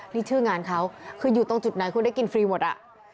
นี่ชื่องานเขาคืออยู่ตรงจุดไหนคุณได้กินฟรีหมดอ่ะ